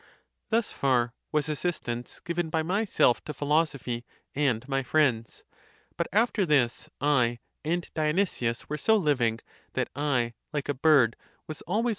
Thus far was assistance given by myself to philosophy and my friends. But after this, I and Dionysius were so living, that I, like a bird, was (always)?